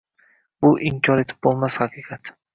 Bu – inkor etib bo‘lmas haqiqat.